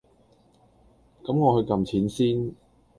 咁我去㩒錢先